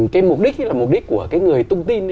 cái mục đích hay là mục đích của cái người tung tin ấy